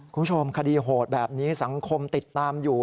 คุณผู้ชมคดีโหดแบบนี้สังคมติดตามอยู่